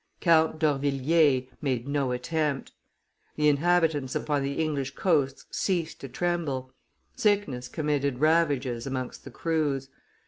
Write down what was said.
Count d'Orvilliers made no attempt; the inhabitants upon the English coasts ceased to tremble; sickness committed ravages amongst the crews.